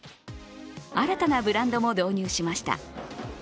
新たなブランドも導入しました。